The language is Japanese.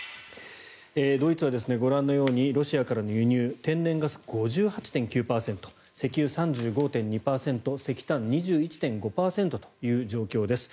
ドイツはご覧のようにロシアからの輸入天然ガス、５８．９％石油、３５．２％石炭２１．５％という状況です。